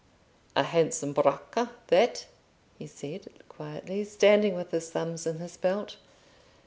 "A handsome bracca that," he said, quietly, standing with his thumbs in his belt.